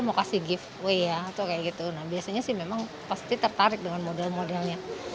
mau kasih giftway ya itu kayak gitu nah biasanya sih memang pasti tertarik dengan model modelnya